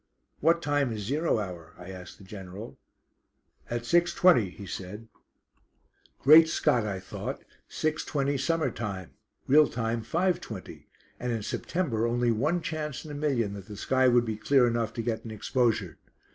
"What time is zero hour?" I asked the General. "At 6.20," he said. Great Scott, I thought, 6.20 summer time real time 5.20, and in September only one chance in a million that the sky would be clear enough to get an exposure.